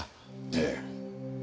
ええ。